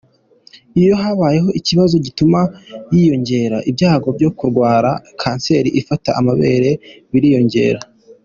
Iyo habayeho ikibazo gituma yiyongera ibyago byo kurwara kanseri ifata amabere biriyongera.